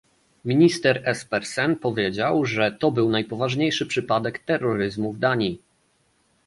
Minister Espersen powiedział, że to był najpoważniejszy przypadek terroryzmu w Danii